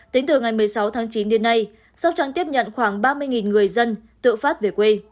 tính từ ngày một mươi sáu tháng chín đến nay sóc trăng tiếp nhận khoảng ba mươi người dân tự phát về quê